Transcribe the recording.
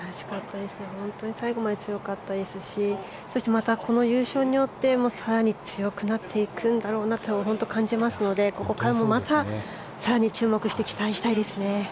最後まで強かったですしそして、またこの優勝によって更に強くなっていくんだろうなと感じますのでここからまた更に注目して期待したいですね。